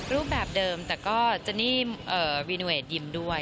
รูปแบบเดิมแต่ก็จะนี่รีโนเวทยิมด้วย